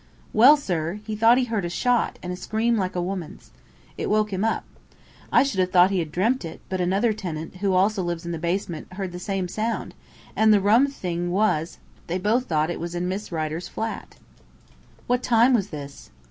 "Well, sir, he thought he heard a shot, and a scream like a woman's. It woke him up. I should have thought he had dreamt it, but another tenant, who also lives in the basement, heard the same sound, and the rum thing was they both thought it was in Miss Rider's flat." "What time was this?"